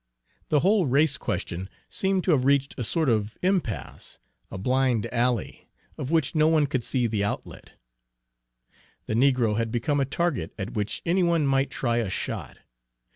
The whole race question seemed to have reached a sort of impasse, a blind alley, of which no one could see the outlet. The negro had become a target at which any one might try a shot.